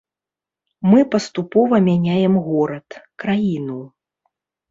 Мы паступова мяняем горад, краіну.